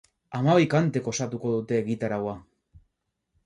Hamabi kantek osatuko dute egitaraua.